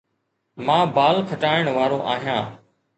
مان بال کٽائڻ وارو آهيان